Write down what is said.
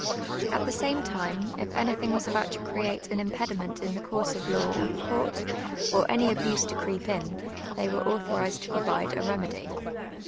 At the same time, if anything was about to create an impediment in the course of law or the court, or any abuse to creep in, they were autho rized to provide a remedy.